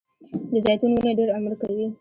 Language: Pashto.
د زیتون ونې ډیر عمر کوي